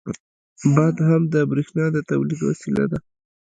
• باد هم د برېښنا د تولید وسیله ده.